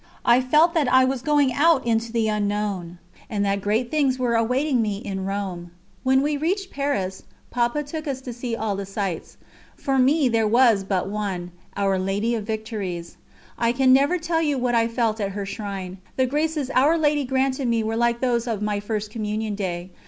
I felt that I was going out into the unknown, and that great things were awaiting me in Rome. When we reached Paris, Papa took us to see all the sights. For me there was but one Our Lady of Victories. I can never tell you what I felt at her shrine; the graces Our Lady granted me were like those of my First Communion Day.